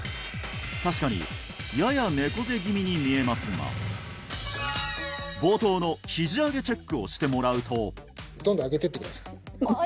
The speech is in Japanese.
確かにやや猫背気味に見えますが冒頭のひじ上げチェックをしてもらうとどんどん上げていってください